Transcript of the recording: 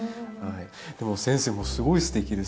でも先生もすごいすてきです。